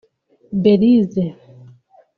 Belyse